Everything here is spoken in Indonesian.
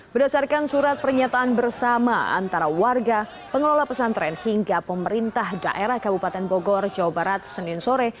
berdasarkan surat pernyataan bersama antara warga pengelola pesantren hingga pemerintah daerah kabupaten bogor jawa barat senin sore